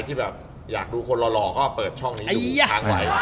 อือแบบอยากดูคนหลอก็เปิดช่องดู